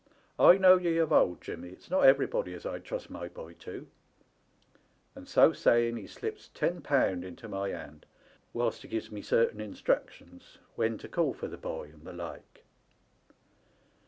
I know ye of old, Jimmy; it's not everybody as I'd trust my boy to,' and so saying he slips ten pound into my hand, whilst he gives me certain instructions when to call for the boy and the like.